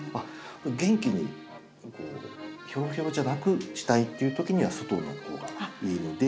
元気にひょろひょろじゃなくしたいっていう時には外の方がいいので。